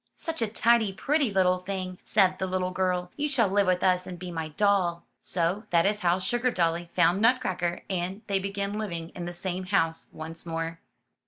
'*Such a tidy, pretty little thing,'* said the little girl. *'You shall live with us, and be my doll. So that is how Sugardolly found Nutcracker and they began living in the same house once more.